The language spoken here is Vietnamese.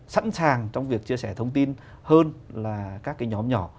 sẵn sàng trong việc chia sẻ thông tin hơn là các cái nhóm nhỏ